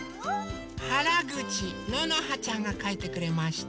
はらぐちののはちゃんがかいてくれました。